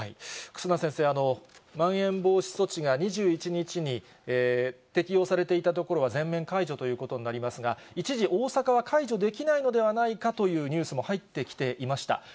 忽那先生、まん延防止措置が２１日に適用されていた所は全面解除ということになりますが、一時、大阪は解除できないのではないかというニュースも入ってきていました。